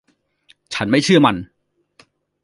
ฉันไม่เชื่อมัน